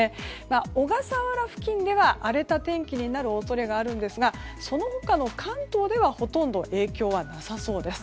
小笠原付近では荒れた天気になる恐れがあるんですがその他の関東ではほとんど影響はなさそうです。